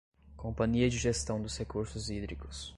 Companhia de Gestão dos Recursos Hídricos